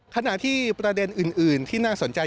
ขณะที่ประเด็นอื่นที่น่าสนใจ